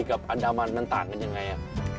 กับอันดามันมันต่างกันยังไง